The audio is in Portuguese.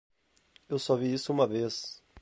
Eu só vi isso uma vez.